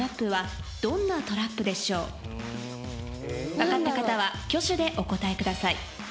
分かった方は挙手でお答えください。